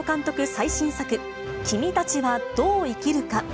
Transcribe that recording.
最新作、君たちはどう生きるか。